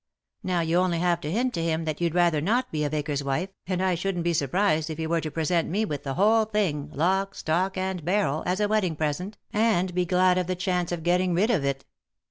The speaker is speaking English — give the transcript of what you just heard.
Now you only have to faint to him that you'd rather not be a vicar's wife, and I shouldn't be surprised if he were to present me with the whole thing, lock, stock, and barrel, as a wedding present, and be glad of the chance of getting rid of it.